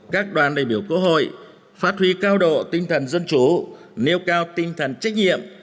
các đoàn đại biểu quốc hội phát huy cao độ tinh thần dân chủ nêu cao tinh thần trách nhiệm